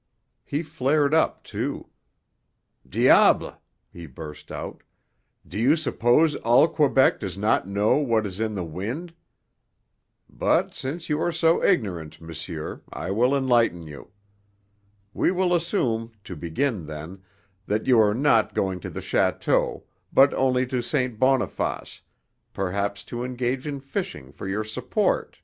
He flared up, too. "Diable!" he burst out, "do you suppose all Quebec does not know what is in the wind? But since you are so ignorant, monsieur, I will enlighten you. We will assume, to begin then, that you are not going to the château, but only to St. Boniface, perhaps to engage in fishing for your support.